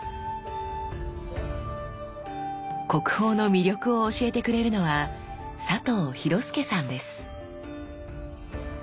国宝の魅力を教えてくれるのは佐藤寛介さんです。